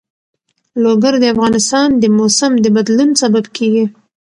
لوگر د افغانستان د موسم د بدلون سبب کېږي.